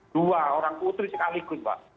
dua orang putri sekaligus pak